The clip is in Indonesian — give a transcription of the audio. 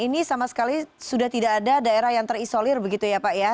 ini sama sekali sudah tidak ada daerah yang terisolir begitu ya pak ya